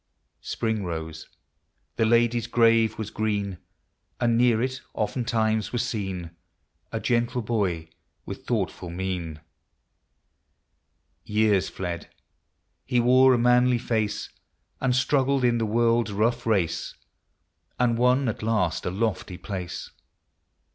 Spring rose; — the lady's grave was green; And near it, oftentimes, was seen A gentle Boy with thoughtful mien. Years fled ;— he wore a manly face, And struggled in the world's rough race, And won at last a lofty place.